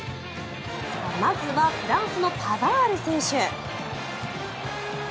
まずはフランスのパバール選手。